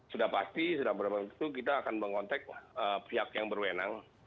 sudah pasti sudah berapa waktu kita akan mengontak pihak yang berwenang